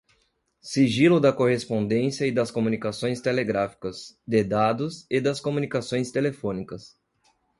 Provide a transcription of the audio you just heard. sigilo da correspondência e das comunicações telegráficas, de dados e das comunicações telefônicas